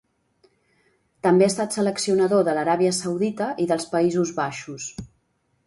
També ha estat seleccionador de l'Aràbia Saudita i dels Països Baixos.